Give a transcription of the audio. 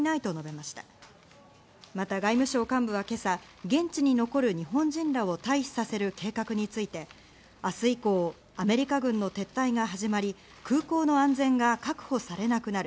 また外務省幹部は今朝、現地に残る日本人らを退避させる計画について、明日以降、アメリカ軍の撤退が始まり、空港の安全が確保されなくなる。